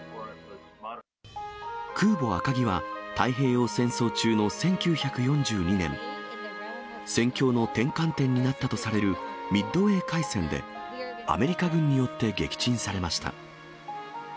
空母赤城は、太平洋戦争中の１９４２年、戦況の転換点になったとされるミッドウェー海戦で、アメリカ軍によって撃沈されました。